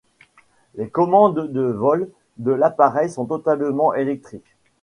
Les commandes de vol de l'appareil sont totalement électriques.